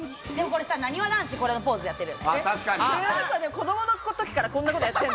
なにわ男子、これのポーズやってるよね。